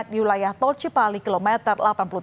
di wilayah tol cipali kilometer delapan puluh tujuh